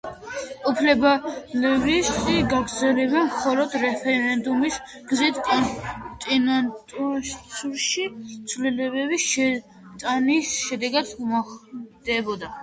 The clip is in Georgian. უფლებამოსილების გაგრძელება მხოლოდ რეფერენდუმის გზით კონსტიტუციაში ცვლილებები შეტანის შედეგად მოხდებოდა.